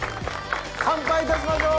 乾杯いたしましょう！